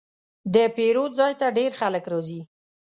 د پیرود ځای ته ډېر خلک راځي.